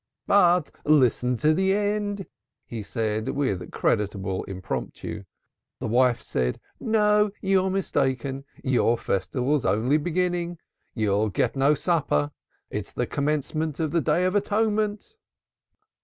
"But listen to the end," he said with a creditable impromptu. "The wife said 'No, you're mistaken. Your Festival's only beginning. You get no supper. It's the commencement of the Day of Atonement.'"